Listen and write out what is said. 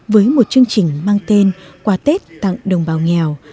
với một chương trình mang tên quà tết tặng đồng bào nghèo